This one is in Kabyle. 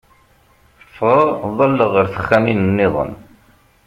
Ffɣeɣ ḍalleɣ ɣer texxamin nniḍen.